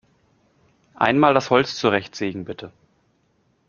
Einmal das Holz zurechtsägen, bitte!